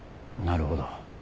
なるほど。